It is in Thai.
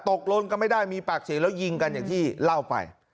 ตกลงกันไม่ได้มีปากเสียงแล้วยิงกันอย่างที่เล่าไป